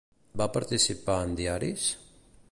Va participar en diaris?